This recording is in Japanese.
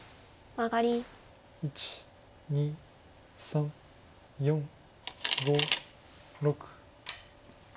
１２３４５６。